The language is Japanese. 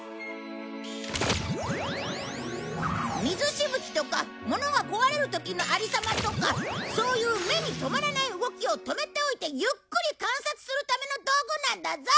水しぶきとか物が壊れる時のありさまとかそういう目に留まらない動きを止めておいてゆっくり観察するための道具なんだぞ！